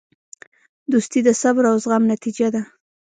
دوستي د صبر او زغم نتیجه ده.